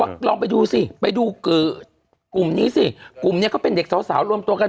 ลองไปดูสิไปดูกลุ่มนี้สิกลุ่มนี้เขาเป็นเด็กสาวรวมตัวกัน